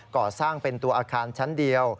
ก่อสร้างเป็นตัวอาคารชั้นเดียว